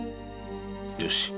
よし。